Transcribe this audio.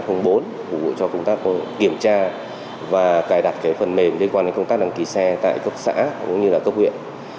phục vụ cho công tác kiểm tra và cài đặt phần mềm liên quan đến công tác đăng ký xe tại cấp xã cũng như là cấp huyện